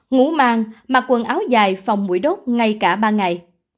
ngủ mang mặc quần áo dài phòng mũi đốt ngay cả ba ngày